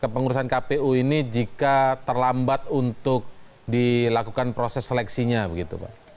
pengurusan kpu ini jika terlambat untuk dilakukan proses seleksinya begitu pak